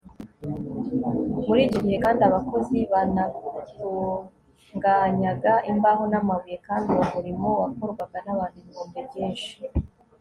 muri icyo gihe kandi abakozi banatunganyaga imbaho n'amabuye, kandi uwo murimo wakorwaga n'abantu ibihumbi byinshi